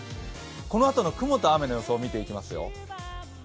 このあとの雲と雨の予想を見ていきますよ。